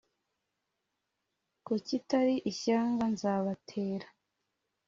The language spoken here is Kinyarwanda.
ku kitari ishyanga nzabatera